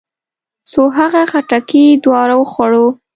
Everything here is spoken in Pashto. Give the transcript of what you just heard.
څو هغه خټکي دواړه وخورو.